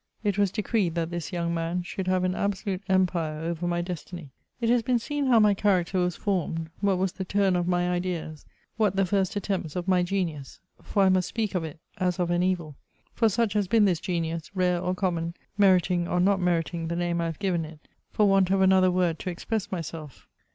It was decreed that this young man should have an absolute empire over my destiny. It has been seen how my character was formed, — ^wbat was the turn of my ideas, — what the first attempts of my genius ; for I must speak of it, as of an evil ; for such has been tMs genius, rare or common, meriting or not meriting the name I have given it, for want of another word to express myself.